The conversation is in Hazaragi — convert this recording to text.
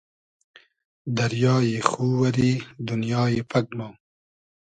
دئریای خو وئری دونیای پئگ مۉ